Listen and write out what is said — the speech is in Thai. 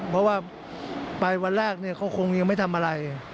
เพราะว่าไปวันแรกเขาคงยังไม่ทำอะไร